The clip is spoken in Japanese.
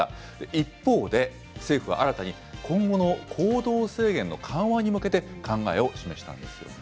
一方で、政府は新たに今後の行動制限の緩和に向けて、考えを示したんですよね。